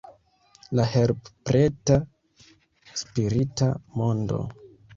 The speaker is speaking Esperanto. La help-preta spirita mondo.